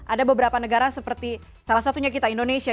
ada beberapa negara seperti salah satunya kita indonesia